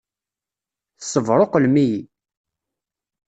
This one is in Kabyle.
Tessebṛuqlem-iyi!